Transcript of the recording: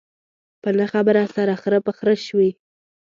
په نه خبره سره خره په خره شوي.